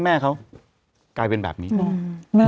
มันติดคุกออกไปออกมาได้สองเดือน